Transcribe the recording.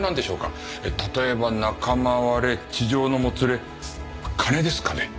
例えば仲間割れ痴情のもつれ金ですかね？